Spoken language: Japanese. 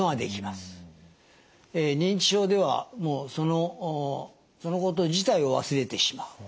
認知症ではそのこと自体を忘れてしまう。